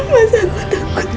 masa aku takut